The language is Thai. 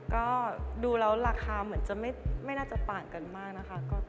ก็ดูแล้วราคาเหมือนจะไม่น่าจะต่างกันมากนะคะ